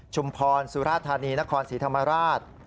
พรสุราธานีนครศรีธรรมราช